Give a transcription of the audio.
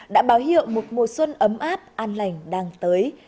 đã báo hiệu một mùa xuân ấm áp an lành đang tới